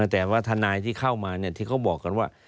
แต่ว่าทนายที่เข้ามาที่เขาบอกกันว่า